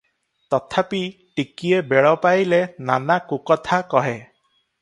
ତଥାପି ଟିକିଏ ବେଳ ପାଇଲେ ନାନା କୁକଥା କହେ ।